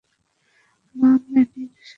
মা, ম্যানির সাথে যাচ্ছো?